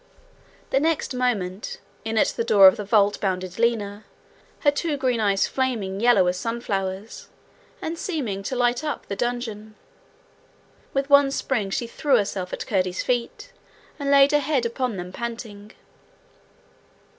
The next moment, in at the door of the vault bounded Lina, her two green eyes flaming yellow as sunflowers, and seeming to light up the dungeon. With one spring she threw herself at Curdie's feet, and laid her head upon them panting.